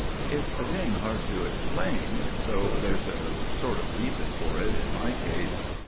'It's a thing hard to explain, though there 's a sort of reason for it in my case."